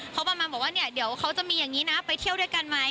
เขาประมาณบอกว่าเนี่ยเดี๋ยวเขาจะมีอย่างนี้นะไปเที่ยวด้วยกันไหม